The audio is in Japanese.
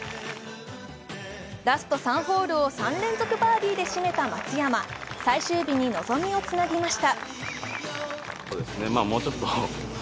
ラスト３ホールを３連続バーディーで締めた松山、最終日に望みをつなぎました。